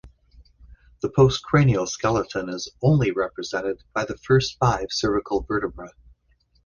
The postcranial skeleton is only represented by the first five cervical vertebrae.